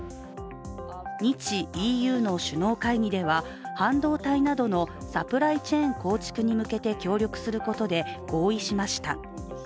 日、ＥＵの首脳会議では半導体などのサプライチェーン構築に向けて協力することで合意しました。